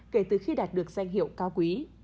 kể từ khi đạt được danh hiệu cao quý